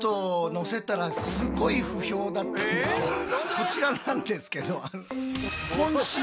こちらなんですけど。